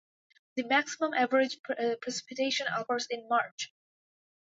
The maximum average precipitation occurs in March.